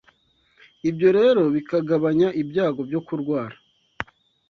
ibyo rero bikagabanya ibyago byo kurwara